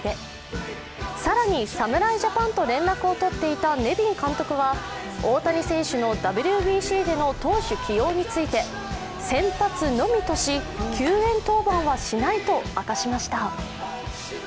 更に侍ジャパンと連絡をとっていたネビン監督は大谷選手のＷＢＣでの投手起用について、先発のみとし、救援登板はしないと明かしました。